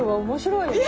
面白い！